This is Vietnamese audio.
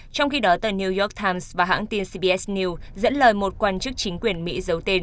trong khi đó tờ new york times và hãng tcbs news dẫn lời một quan chức chính quyền mỹ giấu tên